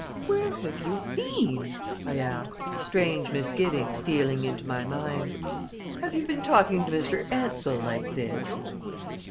"Where have you been?" I asked, a strange misgiving stealing into my mind. "Have you been talking to Mr. Ansell like this?"